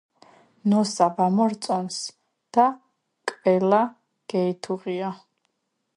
ნოსა ვამორწონს და კველა გეითუღია.